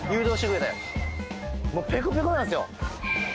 もうペコペコなんですよ